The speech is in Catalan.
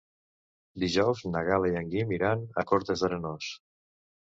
Dijous na Gal·la i en Guim iran a Cortes d'Arenós.